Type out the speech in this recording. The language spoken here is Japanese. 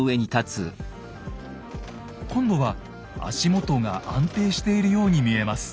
今度は足元が安定しているように見えます。